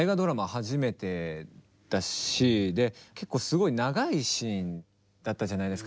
初めてだしで結構すごい長いシーンだったじゃないですか。